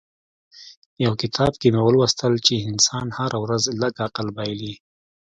يو کتاب کې مې ولوستل چې انسان هره ورځ لږ عقل بايلي.